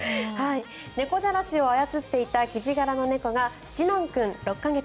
猫じゃらしを操っていたキジ柄の猫が次男君、６か月。